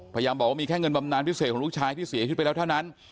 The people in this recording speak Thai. พยายามบอกว่ามีแค่เงินบำนานพิเศษของลูกชายที่เสียชีวิตไปแล้วเท่านั้น